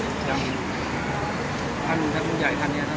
ที่มีบริษัทไฟแนนซ์และธนาคารตัวมี่ที่บ้าน